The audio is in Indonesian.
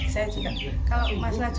saya juga kalau masalah joget joget itu